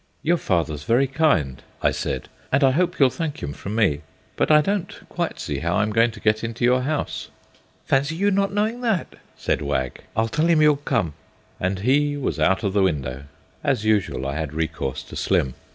"Your father's very kind," I said, "and I hope you'll thank him from me; but I don't quite see how I'm to get into your house." "Fancy you not knowing that!" said Wag. "I'll tell him you'll come." And he was out of the window. As usual, I had recourse to Slim.